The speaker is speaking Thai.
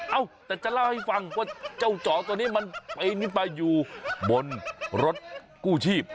เอ้าแต่จะเล่าให้ฟังว่าเจ้าจ๋อตัวนี้มันปีนขึ้นไปอยู่บนรถกู้ชีพ